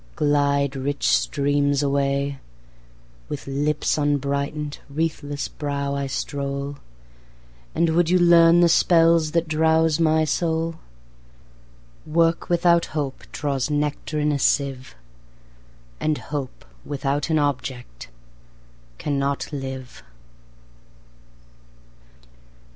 Glide, rich streams, away! 10 With lips unbrighten'd, wreathless brow, I stroll: And would you learn the spells that drowse my soul? Work without Hope draws nectar in a sieve, And Hope without an object cannot live.